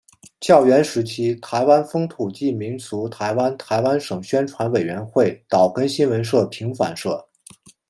教员时期台湾风土记民俗台湾台湾省宣传委员会岛根新闻社平凡社